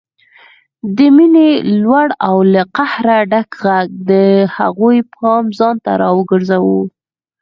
د مينې لوړ او له قهره ډک غږ د هغوی پام ځانته راوګرځاوه